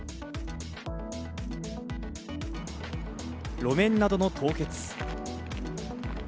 路面などの凍結。